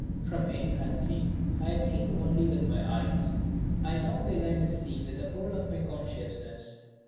From infancy I had seen only with my eyes, I now began to see with the whole of my consciousness.